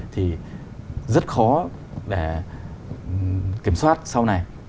thì rất khó để kiểm soát sau này